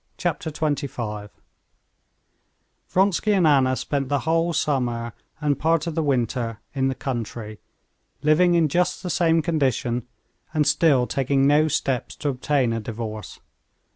Chapter 25 Vronsky and Anna spent the whole summer and part of the winter in the country, living in just the same condition, and still taking no steps to obtain a divorce.